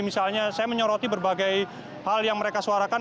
misalnya saya menyoroti berbagai hal yang mereka suarakan